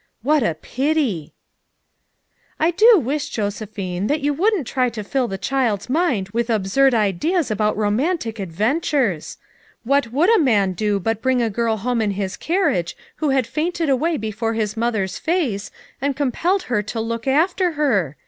"What a pity!" 98 FOUR MOTHERS AT CHAUTAUQUA "I do wish, Josephine, that you wouldn't try to fill the child's mind with ahsurd ideas about romantic adventures. What would a man do but bring a girl home in his carriage who had fainted away before his mother's face, and com pelled her to look after her?